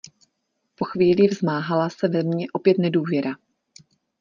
Po chvíli vzmáhala se ve mně opět nedůvěra.